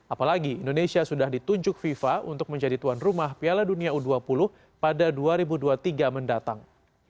apalagi indonesia sudah ditunjuk fifa untuk menjadi tuan rumah piala dunia u dua puluh pada dua ribu dua puluh tiga mendatang